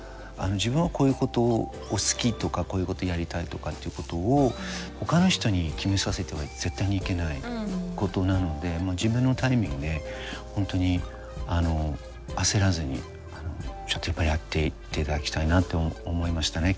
自分はこういうことを好きとかこういうことをやりたいとかっていうことをほかの人に決めさせては絶対にいけないことなのでもう自分のタイミングで本当に焦らずにちょっとやっぱりやっていっていただきたいなと思いましたね